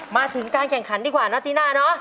มาถึงการแข่งขันดีกว่านะตีนา